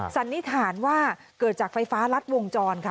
สันนิษฐานว่าเกิดจากไฟฟ้ารัดวงจรค่ะ